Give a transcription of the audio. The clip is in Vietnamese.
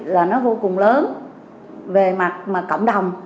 là nó vô cùng lớn